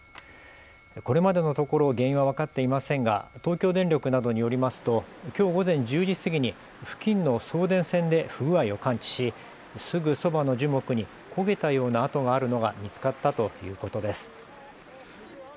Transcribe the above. これまでのところ原因は分かっていませんが東京電力などによりますときょう午前１０時過ぎに付近の送電線で不具合を感知しすぐそばの樹木に焦げたような跡があるのが見つかったということです。